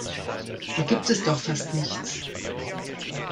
Da gibt es doch fast nichts.